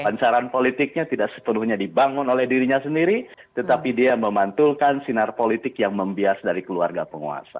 lancaran politiknya tidak sepenuhnya dibangun oleh dirinya sendiri tetapi dia memantulkan sinar politik yang membias dari keluarga penguasa